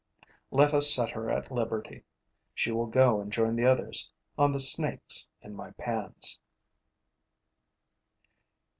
Let us set her at liberty. She will go and join the others on the Snakes in my pans.